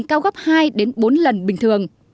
cao gấp hai bốn lần bình thường